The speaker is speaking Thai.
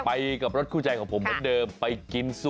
ไปกับรถคู่ใจของผมเหมือนเดิมไปกินสู้